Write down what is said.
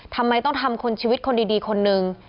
ทำไมต้องทำคนชีวิตคนดีคนนึง